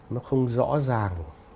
nó không rõ ràng